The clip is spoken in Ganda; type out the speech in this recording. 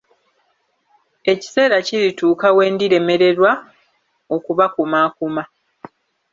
Ekiseera kirituuka we ndiremererwa okubakumaakuma.